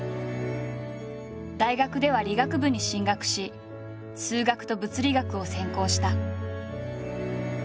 大学では理学部に進学し数学と物理学を専攻した。